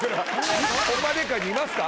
『ホンマでっか！？』にいますか？